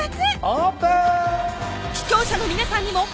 オープン！